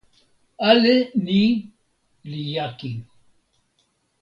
ale ni li jaki.